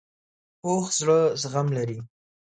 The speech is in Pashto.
پوخ زړه زغم لري